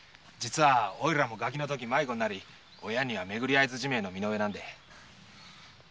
実はおいらもガキのとき迷子になり親には巡り会えずじまいの身の上なんで。